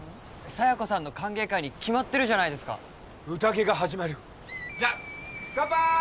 佐弥子さんの歓迎会に決まってるじゃないですか宴が始まるよじゃカンパーイ！